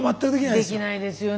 できないですよね。